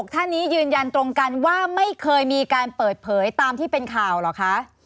ท่านนี้ยืนยันตรงกันว่าไม่เคยมีการเปิดเผยตามที่เป็นข่าวเหรอคะ